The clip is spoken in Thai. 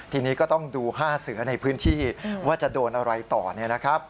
ทีนี้ก็ต้องดู๕เสือในพื้นที่ว่าจะโดนอะไรต่อเนี่ยนะครับ